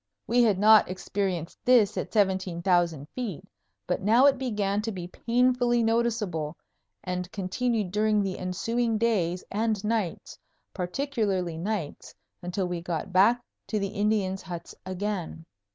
We had not experienced this at 17,000 feet, but now it began to be painfully noticeable, and continued during the ensuing days and nights, particularly nights, until we got back to the Indians' huts again.